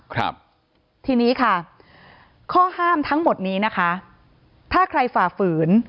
ครับทีนี้ค่ะข้อห้ามทั้งหมดนี้นะคะถ้าใครฝ่าฝืน